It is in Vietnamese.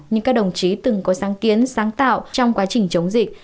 nhưng các đồng chí từng có sáng kiến sáng tạo trong quá trình chống dịch